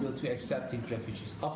afad adalah yang berpengaruh